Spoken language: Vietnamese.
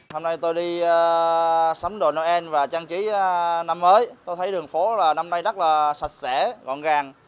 hôm nay tôi đi sắm đồ noel và trang trí năm mới tôi thấy đường phố là năm nay rất là sạch sẽ gọn gàng